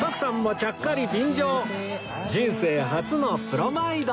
人生初のプロマイド